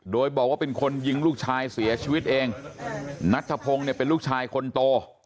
โดยบอกว่าเป็นคนยิงลูกชายเสียชีวิตเองนัทธพงศ์เนี่ยเป็นลูกชายคนโต